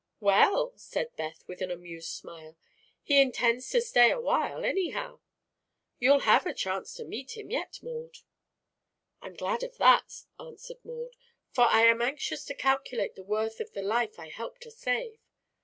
"Well," said Beth, with an amused smile, "he intends to stay a while, anyhow. You'll have a chance to meet him yet, Maud." "I'm glad of that," answered Maud, "for I am anxious to calculate the worth of the life I helped to save.